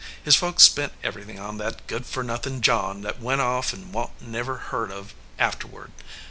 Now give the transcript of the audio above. His folks spent every thing on that good for nothin John that went off and wa n t never heard of afterward.